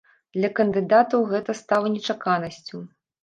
Для кандыдатаў гэта стала нечаканасцю.